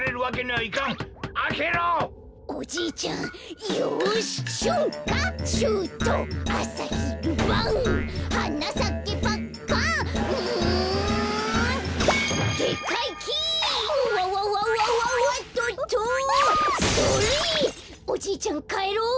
おじいちゃんかえろう。